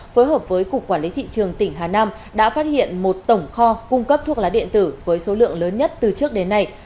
phối hợp với cục quản lý thị trường tỉnh hà nam đã phát hiện một tổng kho cung cấp thuốc lá điện tử với số lượng lớn nhất từ trước đến nay